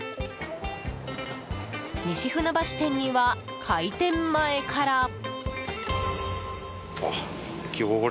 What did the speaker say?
西船橋店には開店前から。